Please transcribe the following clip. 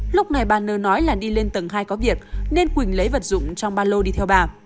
lúc này bà nơ nói là đi lên tầng hai có việc nên quỳnh lấy vật dụng trong ba lô đi theo bà